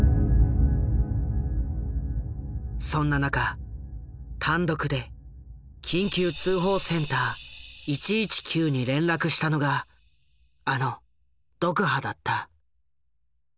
そんな中単独で緊急通報センター１１９に連絡したのがあのドクハだった。